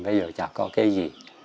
bây giờ chả có cái gì